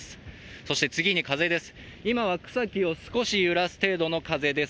そして次に風です。